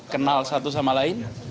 kenal satu sama lain